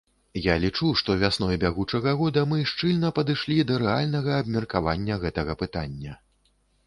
Я лічу, што вясной бягучага года мы шчыльна падышлі да рэальнага абмеркавання гэтага пытання.